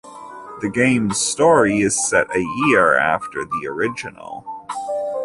The game's story is set a year after the original.